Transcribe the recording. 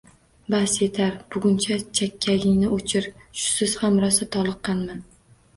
-Bas, yetar! Buguncha chakagingni o’chir, shusiz ham rosa toliqqanman.